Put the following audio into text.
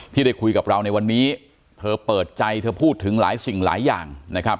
ที่ได้คุยกับเราในวันนี้เธอเปิดใจเธอพูดถึงหลายสิ่งหลายอย่างนะครับ